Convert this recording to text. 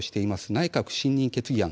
内閣不信任決議案